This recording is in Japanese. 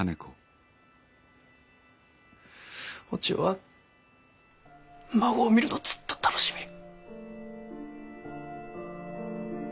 お千代は孫を見るのをずっと楽しみに。